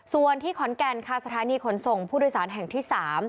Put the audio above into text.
ส่วนที่ขอนแก่นค่ะสถานีขนส่งผู้โดยสารแห่งที่๓